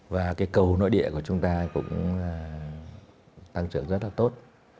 và cái cầu nội địa của chúng ta cũng tăng trưởng rất là tốt